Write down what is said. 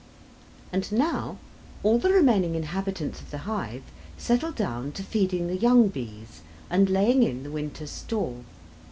And now all the remaining inhabitants of the hive settle down to feeding the young bees and laying in the winter's store.